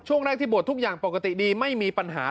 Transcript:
ช่วงแรกที่บวชทุกอย่างปกติดีไม่มีปัญหา